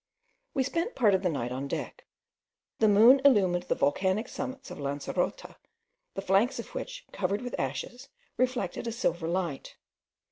We spent part of the night on deck. The moon illumined the volcanic summits of Lancerota, the flanks of which, covered with ashes, reflected a silver light.